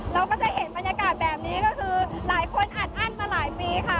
เราก็จะเห็นบรรยากาศแบบนี้ก็คือหลายคนอัดอั้นมาหลายปีค่ะ